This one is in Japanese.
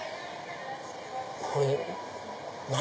これ何？